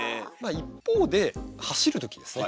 一方で走る時ですね